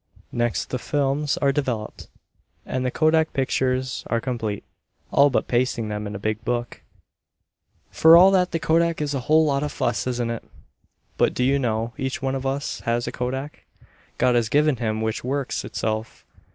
Next the films are developed, and the kodak pictures are complete, all but pasting them in a big book. For all that the kodak is a whole lot of fuss, isn't it? But, do you know, each one of us has a kodak God has given him which works itself.